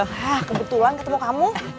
hah kebetulan ketemu kamu